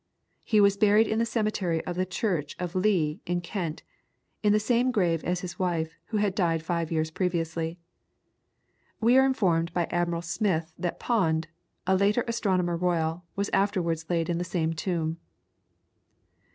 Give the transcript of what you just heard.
He was buried in the cemetery of the church of Lee in Kent, in the same grave as his wife, who had died five years previously. We are informed by Admiral Smyth that Pond, a later Astronomer Royal, was afterwards laid in the same tomb.